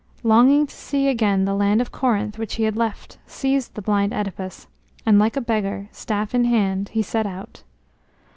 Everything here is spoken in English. Longing to see again the land of Corinth which he had left seized the blind Œdipus, and like a beggar, staff in hand, he set out.